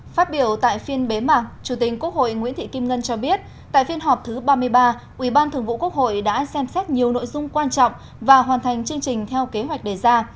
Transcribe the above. phát biểu tại phiên bế mạc chủ tình quốc hội nguyễn thị kim ngân cho biết tại phiên họp thứ ba mươi ba ubthqh đã xem xét nhiều nội dung quan trọng và hoàn thành chương trình theo kế hoạch đề ra